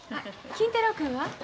金太郎君は？